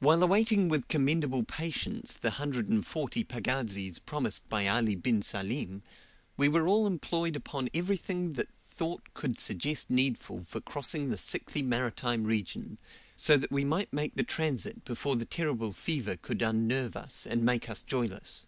While awaiting with commendable patience the 140 pagazis promised by Ali bin Salim we were all employed upon everything that thought could suggest needful for crossing the sickly maritime region, so that we might make the transit before the terrible fever could unnerve us, and make us joyless.